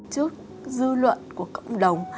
trước dư luận của cộng đồng